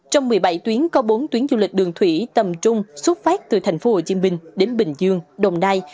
trong một mươi bảy tuyến có bốn tuyến du lịch đường thủy tầm trung xuất phát từ tp hcm đến bình dương đồng nai